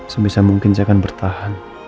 sebisa mungkin saya akan bertahan